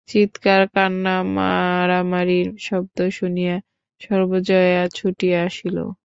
চিৎকার, কান্না ও মারামারির শব্দ শুনিয়া সর্বজয়া ছুটিয়া আসিল।